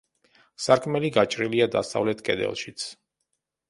სარკმელი გაჭრილია დასავლეთ კედელშიც.